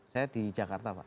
saya di jakarta pak